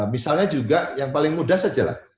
misalnya juga yang paling mudah saja lah